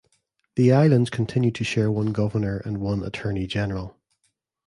The islands continued to share one Governor and one Attorney-General.